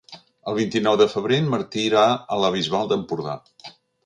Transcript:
El vint-i-nou de febrer en Martí irà a la Bisbal d'Empordà.